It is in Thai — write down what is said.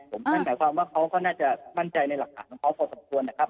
หมายความว่าเขาก็น่าจะมั่นใจในหลักฐานของเขาพอสมควร